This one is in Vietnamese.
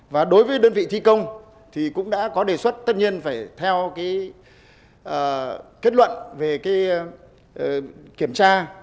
và đối với đơn vị thi công thì cũng đã có đề xuất tất nhiên phải theo cái kết luận về kiểm tra